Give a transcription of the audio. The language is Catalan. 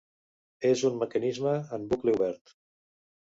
És un mecanisme en bucle obert.